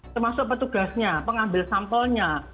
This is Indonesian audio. termasuk petugasnya pengambil sampelnya